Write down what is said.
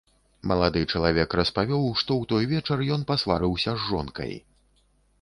Малады чалавек распавёў, што ў той вечар ён пасварыўся з жонкай.